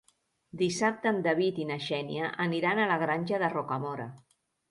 Dissabte en David i na Xènia aniran a la Granja de Rocamora.